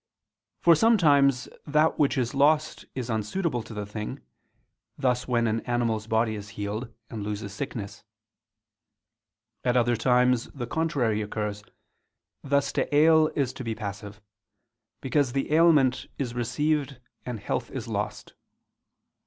For sometimes that which is lost is unsuitable to the thing: thus when an animal's body is healed, and loses sickness. At other times the contrary occurs: thus to ail is to be passive; because the ailment is received and health is lost.